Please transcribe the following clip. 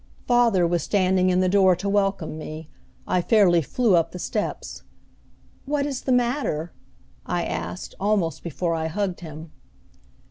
Father was standing in the door to welcome me. I fairly flew up the steps. "What is the matter?" I asked, almost before I hugged him.